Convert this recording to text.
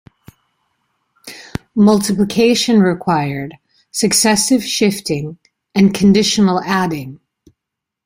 Multiplication required successive shifting and conditional adding.